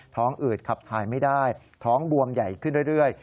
อืดขับถ่ายไม่ได้ท้องบวมใหญ่ขึ้นเรื่อย